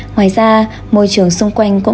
ngoài ra môi trường xung quanh